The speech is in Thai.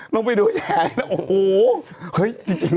นองไปดูอย่างแหหงนะโอ้โฮ